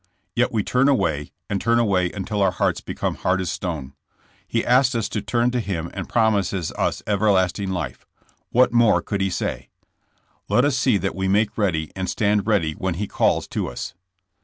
Yet we turn away, and turn away until our hearts become hard as stone. He askg us to turn to Him and promises us everlast ing life. What more could he say? Let us see that we make ready and stand ready when He calls to us.